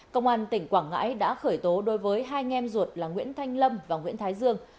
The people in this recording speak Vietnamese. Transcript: công an tỉnh quảng ngãi đã khởi tố đối với hai nghem ruột là nguyễn thanh lâm và nguyễn thái dương